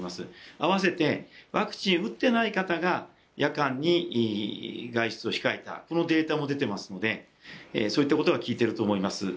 併せてワクチンを打っていない方が夜間に外出を控えたこのデータも出ていますので、そういったことが効いていると思います。